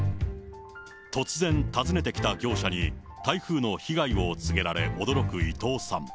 突然訪ねてきた業者に台風の被害を告げられ、驚く伊藤さん。